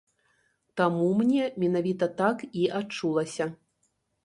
Таму мне менавіта так і адчулася.